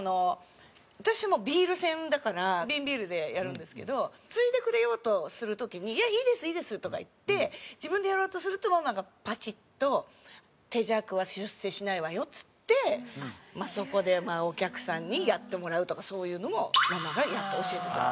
私もビール専だから瓶ビールでやるんですけどついでくれようとする時に「いいですいいです」とか言って自分でやろうとするとママがパシッと「手酌は出世しないわよ」っつってそこでお客さんにやってもらうとかそういうのもママがやって教えてもらった。